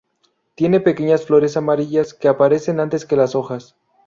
Tiene pequeñas flores amarillas que aparecen antes que las hojas.